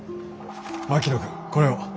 槙野君これを。